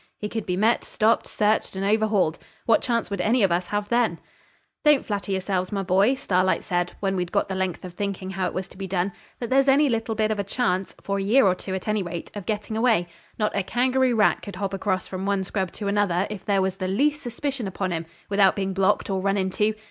He could be met, stopped, searched, and overhauled. What chance would any of us have then? 'Don't flatter yourselves, my boy,' Starlight said, when we'd got the length of thinking how it was to be done, 'that there's any little bit of a chance, for a year or two at any rate, of getting away. Not a kangaroo rat could hop across from one scrub to another if there was the least suspicion upon him without being blocked or run into.